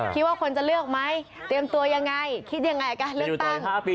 คิดว่าคนจะเลือกไหมเตรียมตัวยังไง